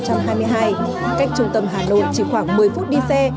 cách trung tâm hà nội chỉ khoảng một mươi phút đi xe